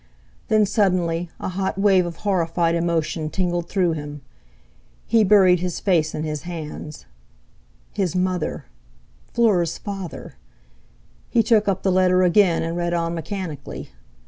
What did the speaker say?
Then, suddenly, a hot wave of horrified emotion tingled through him. He buried his face in his hands. His mother! Fleur's father! He took up the letter again, and read on mechanically.